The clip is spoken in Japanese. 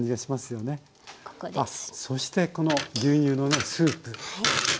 そしてこの牛乳のねスープ。